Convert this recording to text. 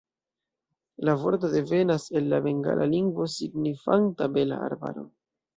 La vorto devenas el la bengala lingvo signifanta "bela arbaro".